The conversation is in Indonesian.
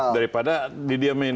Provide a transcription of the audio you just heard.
daripada didiamin gitu